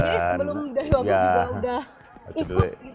oh jadi sebelum dari wagub juga udah event gitu ya bang ijek